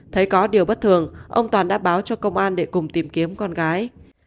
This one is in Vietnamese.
thấy có điều bất thường ông toàn đã báo cho công an để cùng tìm kiếm con gái